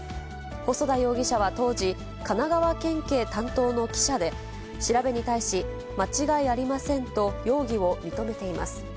細田容疑者は当時、神奈川県警担当の記者で、調べに対し、間違いありませんと容疑を認めています。